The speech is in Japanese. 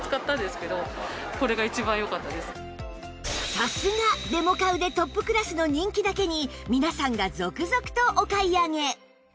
さすがデモカウでトップクラスの人気だけに皆さんが続々とお買い上げ！